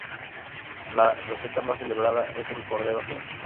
La receta más celebrada es el cordero asado.